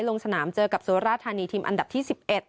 ลงสนามเจอกับสุราธานีทีมอันดับที่๑๑